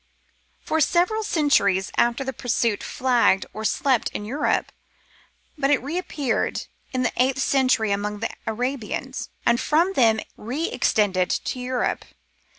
For several centuries after this the pursuit flagged or slept in Europe, but it reappeared in the eighth century among the Arabians, and from them re extended to Europe.